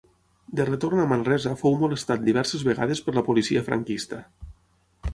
De retorn a Manresa fou molestat diverses vegades per la policia franquista.